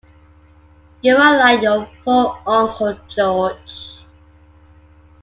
You are like your poor uncle George.